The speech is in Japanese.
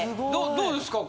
どうですか？